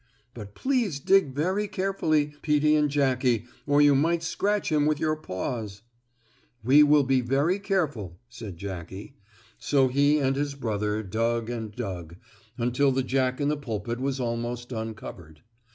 But please dig very carefully, Peetie and Jackie, or you might scratch him with your paws." "We will be careful," said Jackie. So he and his brother dug and dug, until the Jack in the Pulpit was almost uncovered.